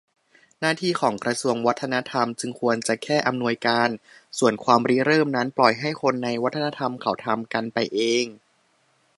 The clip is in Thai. หน้าที่ของกระทรวงวัฒนธรรมจึงควรจะแค่ อำนวยการ ส่วนความริเริ่มนั้นปล่อยให้คนในวัฒนธรรมเขาทำกันไปเอง